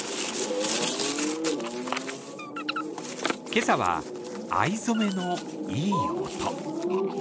今朝は藍染めのいい音。